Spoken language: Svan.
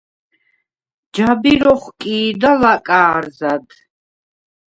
ჯაბირ ოხკი̄და ლაკა̄რზად.